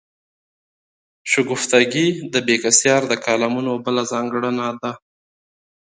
شګفتګي د بېکسیار د کالمونو بله ځانګړنه ده.